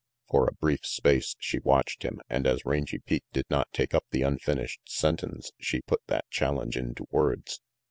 For a brief space she watched him, and as Rangy Pete did not take up the unfinished sentence, she put that challenge into words.